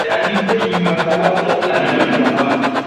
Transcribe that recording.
Kaka yako anaitwa nani?